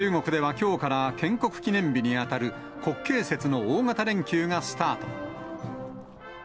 中国ではきょうから建国記念日に当たる国慶節の大型連休がスタート。